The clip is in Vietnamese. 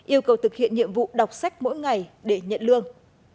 yêu cầu thực hiện nhiệm vụ đọc sách mỗi ngày để nhận lương